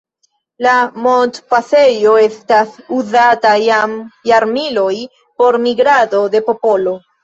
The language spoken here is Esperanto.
La montpasejo estis uzata jam jarmiloj por migrado de popolo.